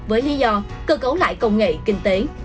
với lý do cơ cấu lại công nghệ kinh tế